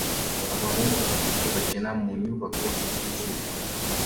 Abahungu batatu bakina mu nyubako ituzuye